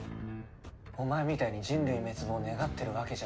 お前みたいに人類滅亡を願ってるわけじゃない。